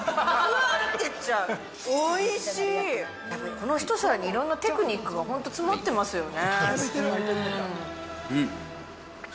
このひと皿にいろんなテクニックが詰まってますよね。